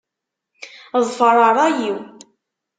Ḍfeṛ ṛṛay-iw.